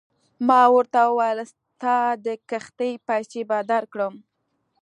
ما ورته وویل ستا د کښتۍ پیسې به درکړم.